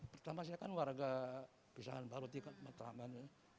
pertama saya kan warga pisangan baru di matraman